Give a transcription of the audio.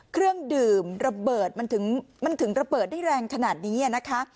เครื่องดื่มระเบิดมันถึงระเบิดได้แรงขนาดนี้นะคะ